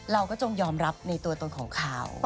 เราก็ต้องยอมรับในตัวตนของเขา